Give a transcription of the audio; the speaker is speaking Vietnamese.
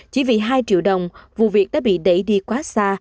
chỉ vì hai triệu đồng vụ việc đã bị đẩy đi quá xa